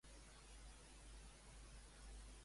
Què és la tomba de Clitemnestra?